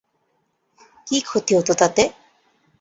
কী ক্ষতি হত তাতে?